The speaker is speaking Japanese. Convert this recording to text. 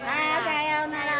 さようなら。